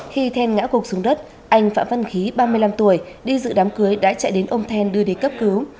khi then ngã cuộc xuống đất anh phạm văn khí ba mươi năm tuổi đi dự đám cưới đã chạy đến ông then đưa đi cấp cứu